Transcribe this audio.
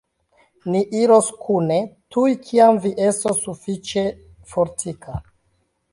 Ni iros kune, tuj kiam vi estos sufiĉe fortika.